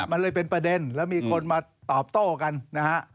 มันเลยเป็นประเด็นแล้วมีคนมาตอบโต้กันนะฮะ